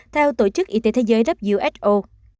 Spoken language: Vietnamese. theo tổ chức y tế thế giới who